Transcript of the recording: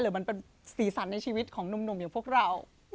มันเป็นสีสันในชีวิตของหนุ่มอย่างพวกเรา